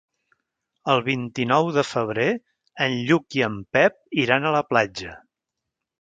El vint-i-nou de febrer en Lluc i en Pep iran a la platja.